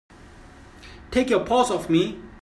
Take your paws off me!